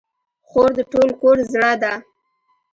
خور د ټول کور زړه ده.